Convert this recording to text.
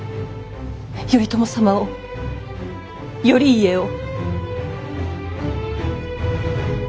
頼朝様を頼家を。